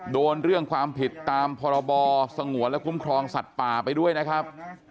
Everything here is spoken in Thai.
โดนเรื่องความผิดตามพรบสงวนและคุ้มครองสัตว์ป่าไปด้วยนะครับ